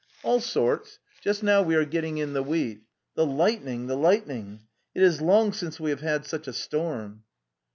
" '"'Allsorts. Just now we are getting in the wheat. The lightning, the lightning! It is long since we have had such a storm.